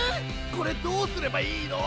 これどうすればいいの！？